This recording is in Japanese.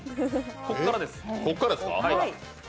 ここからです。